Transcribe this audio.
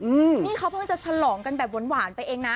อืมนี่เขาเพิ่งจะฉลองกันแบบหวานหวานไปเองนะ